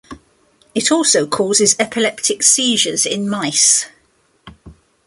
It also causes epileptic seizures in mice.